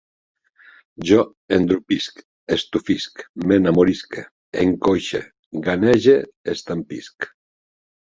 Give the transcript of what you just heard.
Jo endropisc, estufisc, m'enamorisque, encoixe, ganege, estampisc